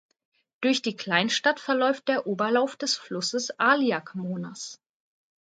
Durch die Kleinstadt verläuft der Oberlauf des Flusses Aliakmonas.